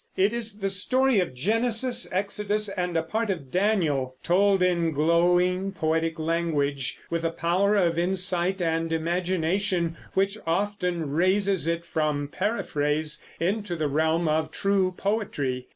It is the story of Genesis, Exodus, and a part of Daniel, told in glowing, poetic language, with a power of insight and imagination which often raises it from paraphrase into the realm of true poetry.